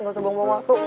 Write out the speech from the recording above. gausah buang buang waktu